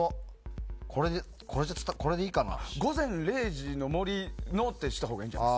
「午前０時の森」ってしたほうがいいんじゃない？